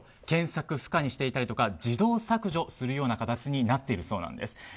検索不可にしていたりとか自動削除するようになっているそうなんです。